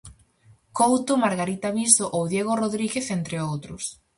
Couto, Margarita Viso ou Diego Rodríguez entre outros.